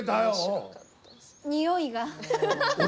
においが。